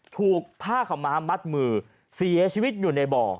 ถูกผ้าขาวม้ามัดมือเสียชีวิตอยู่ในบ่อ